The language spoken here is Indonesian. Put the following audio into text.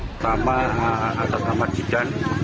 pertama atau pertama citaan